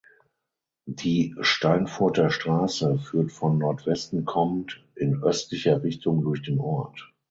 Die "Steinfurter Straße" führt von Nordwesten kommend in östlicher Richtung durch den Ort.